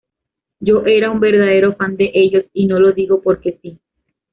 Yo era un verdadero fan de ellos, y no lo digo por que sí.